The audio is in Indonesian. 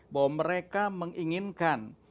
bahwa mereka menginginkan